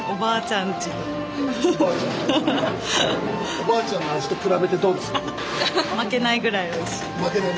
おばあちゃんの味と比べてどうですか？